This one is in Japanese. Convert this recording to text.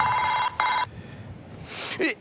えっ！？